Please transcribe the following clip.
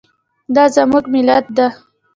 دا زموږ ملت ده